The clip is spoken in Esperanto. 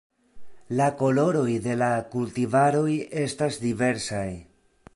La koloroj de la kultivaroj estas diversaj.